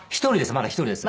まだ１人です。